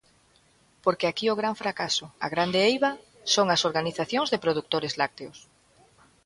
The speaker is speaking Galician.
Porque aquí o gran fracaso, a grande eiva, son as organizacións de produtores lácteos.